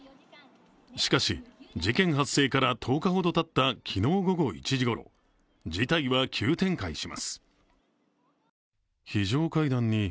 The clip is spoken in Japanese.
しかし、事件発生から１０日ほどたった昨日午後１時ごろ、事態は急展開します。